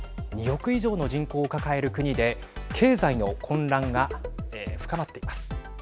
２億以上の人口を抱える国で経済の混乱が深まっています。